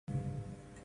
No audio